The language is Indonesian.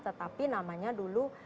tetapi namanya dulu